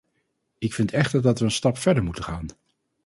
Ik vind echter dat we een stap verder moeten gaan.